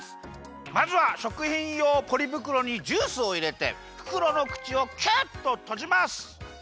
まずはしょくひんようポリぶくろにジュースをいれてふくろのくちをキュッととじます。